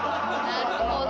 なるほど。